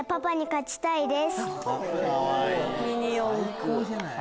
かわいい！